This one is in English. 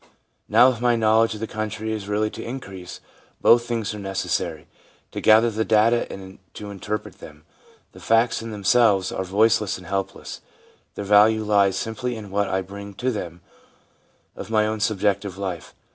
Now, if my knowledge of the country is really to increase, both things are necessary — to gather the data and to in terpret them. The facts in themselves are voiceless and helpless ; their value lies simply in what I bring to them of my own subjective life.